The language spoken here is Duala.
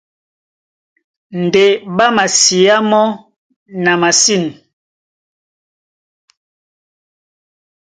Ndé ɓá masiá mɔ́ na masîn.